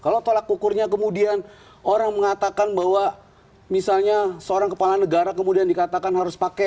kalau tolak ukurnya kemudian orang mengatakan bahwa misalnya seorang kepala negara kemudian dikatakan harus pakai